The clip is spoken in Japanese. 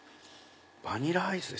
バニラアイスです。